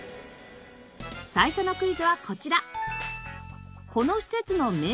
最初のクイズはこちら。